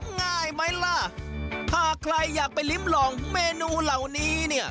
ง่ายไหมล่ะถ้าใครอยากไปลิ้มลองเมนูเหล่านี้เนี่ย